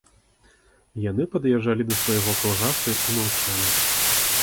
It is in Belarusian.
Яны пад'язджалі да свайго калгаса і маўчалі.